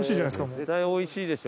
絶対おいしいでしょ。